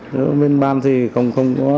nếu bên ban thì không có